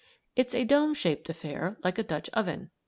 It's a dome shaped affair, like a Dutch oven.